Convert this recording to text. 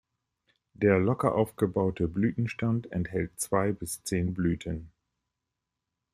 Der locker aufgebaute Blütenstand enthält zwei bis zehn Blüten.